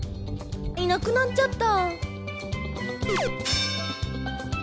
いなくなっちゃった。